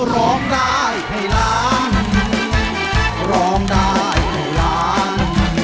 ร้องได้ให้ร้าน